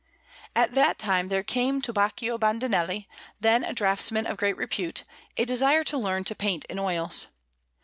At that time there came to Baccio Bandinelli, then a draughtsman of great repute, a desire to learn to paint in oils.